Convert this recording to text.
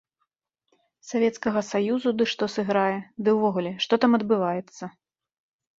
Савецкага саюзу ды што сыграе, ды ўвогуле, што там адбываецца.